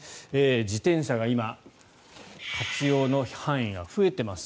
自転車が今活用の範囲が増えています。